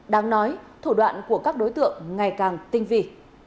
đáng nói thủ đoạn của các đối tượng ngày càng tinh vi